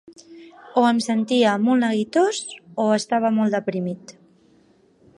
O em sentia molt neguitós, o estava molt deprimit.